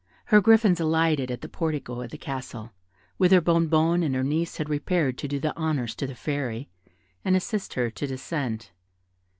Her griffins alighted at the portico of the castle, whither Bonnebonne and her niece had repaired to do the honours to the Fairy, and assist her to descend.